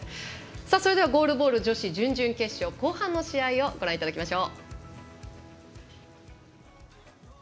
それではゴールボール女子準々決勝、後半をご覧いただきましょう。